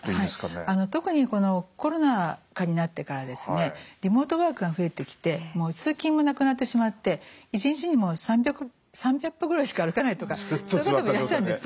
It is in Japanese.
特にこのコロナ禍になってからですねリモートワークが増えてきてもう通勤もなくなってしまって一日に３００歩ぐらいしか歩かないとかそういう方もいらっしゃるんですよ。